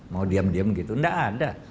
mau diam diam gitu nggak ada